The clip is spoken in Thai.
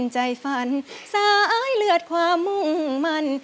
ใจฝันซ้ายเลือดความมุ่งมัน